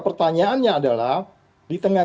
pertanyaannya adalah di tengah